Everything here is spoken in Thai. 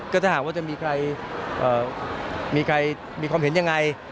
ก็จะห่างว่าจะมีใครมีความเห็นอย่างไร